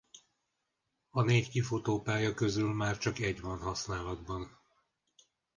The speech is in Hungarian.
A négy kifutópálya közül már csak egy van használatban.